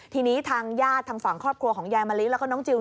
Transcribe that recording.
ทีนี้ทางญาติทางฝั่งครอบครัวของยายมะลิแล้วก็น้องจิล